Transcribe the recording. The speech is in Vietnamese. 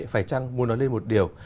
phải chăng muốn nói lên một điều